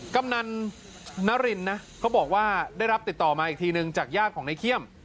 กำนันนารินนะเขาบอกว่าได้รับติดต่อมาอีกทีนึงจากญาติของนายเขี้ยม